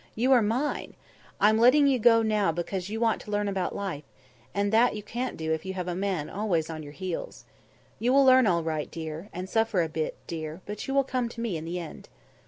"You are mine! I'm letting you go now because you want to learn about life, and that you can't do if you have a man always on your heels. You will learn all right, dear, and suffer a bit, dear, but you will come to me in the end.